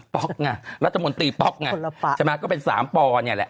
อปน่ะรัฐมนตรีปน่ะใช่ไหมก็เป็น๓ปนี่แหละ